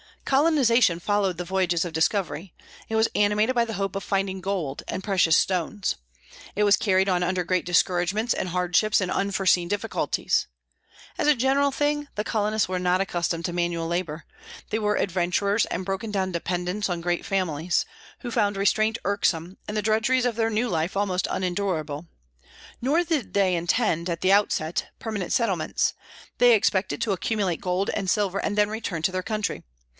Colonization followed the voyages of discovery. It was animated by the hope of finding gold and precious stones. It was carried on under great discouragements and hardships and unforeseen difficulties. As a general thing, the colonists were not accustomed to manual labor; they were adventurers and broken down dependents on great families, who found restraint irksome and the drudgeries of their new life almost unendurable. Nor did they intend, at the outset, permanent settlements; they expected to accumulate gold and silver, and then return to their country.